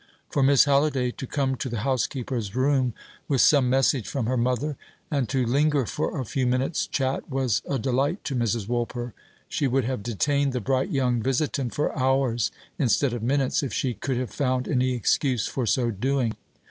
For Miss Halliday to come to the housekeeper's room with some message from her mother, and to linger for a few minutes' chat, was a delight to Mrs. Woolper. She would have detained the bright young visitant for hours instead of minutes, if she could have found any excuse for so doing.